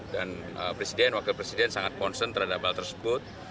dan presiden wakil presiden sangat ponsen terhadap hal tersebut